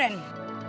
menu andalanya apa